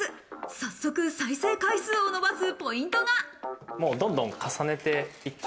早速、再生回数をのばすポイントが。